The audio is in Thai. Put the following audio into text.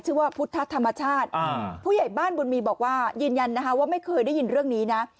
ว่าพุทธธรรมชาติผู้ใหญ่บ้านบุญมีบอกว่ายืนยันนะคะว่าไม่เคยได้ยินเรื่องนี้นะ